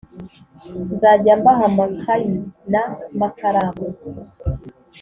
Nzajya mbaha makayi na makaramu